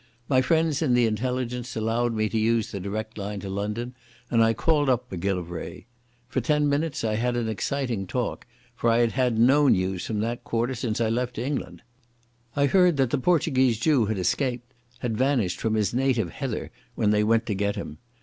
My friends in the Intelligence allowed me to use the direct line to London, and I called up Macgillivray. For ten minutes I had an exciting talk, for I had had no news from that quarter since I left England. I heard that the Portuguese Jew had escaped—had vanished from his native heather when they went to get him.